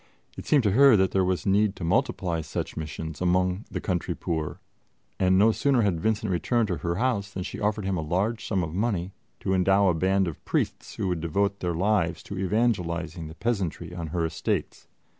It seemed to her that there was need to multiply such missions among the country poor, and no sooner had Vincent returned to her house than she offered him a large sum of money to endow a band of priests who would devote their lives to evangelizing the peasantry on her estates.